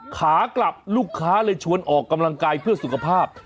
ขากลับลูกค้าเลยชวนออกกำลังกายเพื่อสุขภาพ